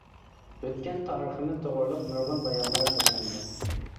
ئۆتكەن تارىخىمىز توغرىلىق نۇرغۇن بايانلار سۆزلەندى.